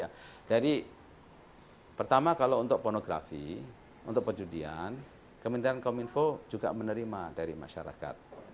ya jadi pertama kalau untuk pornografi untuk penjudian kementerian kominfo juga menerima dari masyarakat